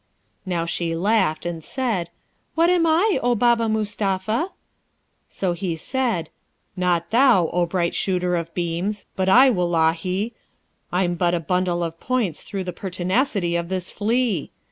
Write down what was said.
Now, she laughed, and said, 'What am I, O Baba Mustapha?' So he said, 'Not thou, O bright shooter of beams, but I, wullahy! I'm but a bundle of points through the pertinacity of this flea!